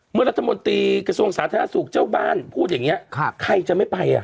รัฐมนตรีกระทรวงสาธารณสุขเจ้าบ้านพูดอย่างนี้ใครจะไม่ไปอ่ะ